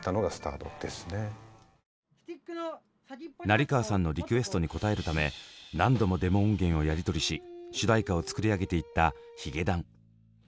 成河さんのリクエストに応えるため何度もデモ音源をやり取りし主題歌を作り上げていったヒゲダン。